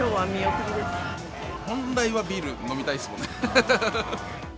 本来ならビール、飲みたいですもんね。